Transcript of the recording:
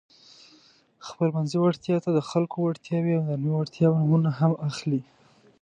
خپلمنځي وړتیا ته د خلکو وړتیاوې او نرمې وړتیاوې نومونه هم اخلي.